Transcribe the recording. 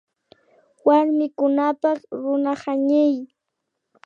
Warmikunapak Runa hañiy